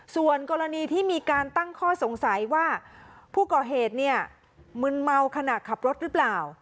ส่วนกรณีที่มีการตั้งข้อสงสัยว่าผู้ก่อเหตุเนี่ยมึนเมาขณะขับรถหรือเปล่า